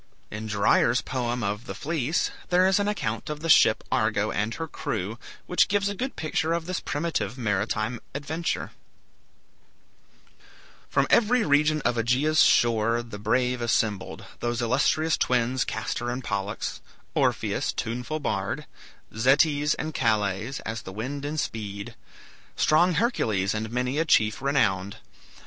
In Dyer's poem of "The Fleece" there is an account of the ship "Argo" and her crew, which gives a good picture of this primitive maritime adventure: "From every region of Aegea's shore The brave assembled; those illustrious twins Castor and Pollux; Orpheus, tuneful bard; Zetes and Calais, as the wind in speed; Strong Hercules and many a chief renowned.